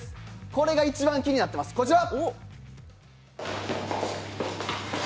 これが一番気になっています、こちら。